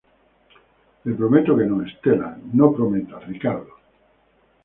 le prometo que no, Estela. no prometa, Ricardo.